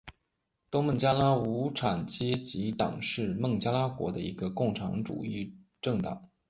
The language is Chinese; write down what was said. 东孟加拉无产阶级党是孟加拉国的一个共产主义政党。